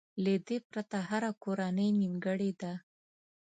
له دې پرته هره کورنۍ نيمګړې ده.